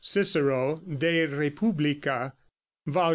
(Cicero, "De Republica," VI.)